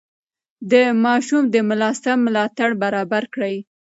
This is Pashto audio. د ماشوم د ملا سم ملاتړ برابر کړئ.